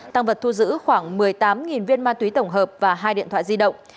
tăng vật thu giữ khoảng một mươi tám viên ma túy tổng hợp và hai điện thoại di động